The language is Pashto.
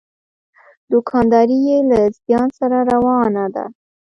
دوکانداري یې له زیان سره روانه ده.